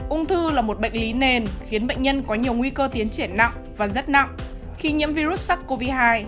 ung thư là một bệnh lý nền khiến bệnh nhân có nhiều nguy cơ tiến triển nặng và rất nặng khi nhiễm virus sars cov hai